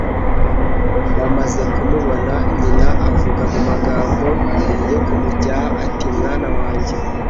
Bamaze kumubona, nyina avuga mu magambo yo kumucyaha ati, '' Mwana wanjye,